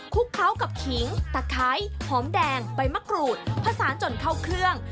เคล้ากับขิงตะไคร้หอมแดงใบมะกรูดผสานจนเข้าเครื่อง